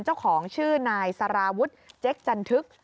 เจ้าของชื่อนายสารวุฒิเจ๊กจันทึก